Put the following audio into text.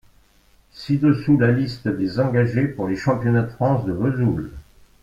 Ci-dessous la liste des engagés pour les championnats de France de Vesoul.